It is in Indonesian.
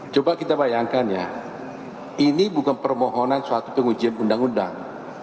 coba kita bayangkan ya ini bukan permohonan suatu pengujian undang undang